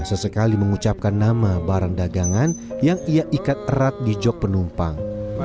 sesekali mengucapkan nama barang dagangan yang ia ikat erat di jog penumpang